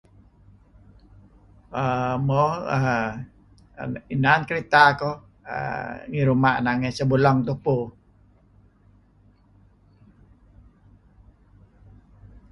err mo err inan kereta kuh err ngi ruma' nangey, sebulang tupu.